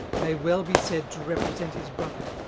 May well be said' to represent his brother.